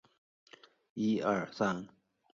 基节粉苞菊为菊科粉苞苣属的植物。